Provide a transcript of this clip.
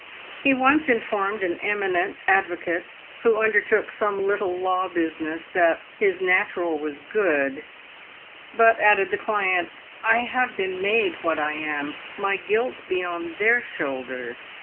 He once informed an eminent advocate, who un dertook some little law business, " that his natural was good," but, added the client, " I have been made what I am. My guilt be on their shoulders.